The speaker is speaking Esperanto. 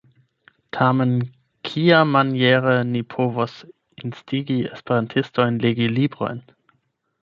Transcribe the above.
Tamen kiamaniere ni povos instigi esperantistojn legi librojn?